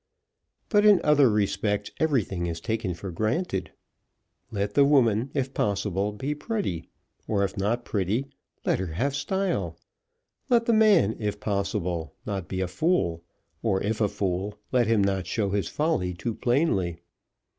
But in other respects everything is taken for granted. Let the woman, if possible, be pretty; or if not pretty, let her have style. Let the man, if possible, not be a fool; or if a fool, let him not show his folly too plainly.